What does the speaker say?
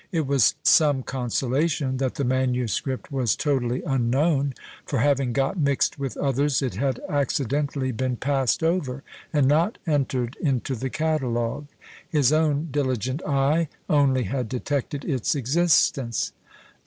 It was some consolation that the manuscript was totally unknown for having got mixed with others, it had accidentally been passed over, and not entered into the catalogue; his own diligent eye only had detected its existence.